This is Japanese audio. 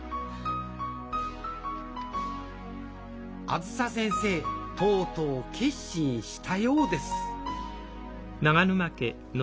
あづさ先生とうとう決心したようです